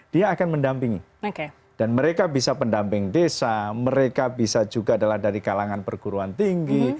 dia akan mendampingi dan mereka bisa pendamping desa mereka bisa juga adalah dari kalangan perguruan tinggi